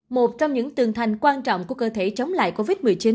một trong những tường thành quan trọng của cơ thể chống lại covid một mươi chín